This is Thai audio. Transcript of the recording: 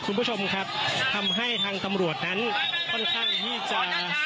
คุณผู้ชมครับทำให้ทางตำรวจนั้นค่อนข้างที่จะ